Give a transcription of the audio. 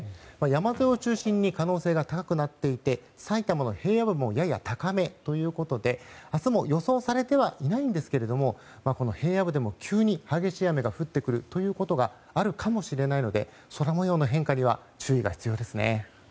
山沿いを中心に可能性が高くなっていて埼玉の平野部もやや高めということで明日も予想されてはいないんですが平野部でも急に激しい雨が降ってくることがあるかもしれないので空模様の変化には注意が必要ですね。